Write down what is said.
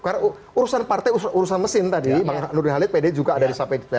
karena urusan partai urusan mesin tadi bang nurin halid pd juga ada di samping di bawah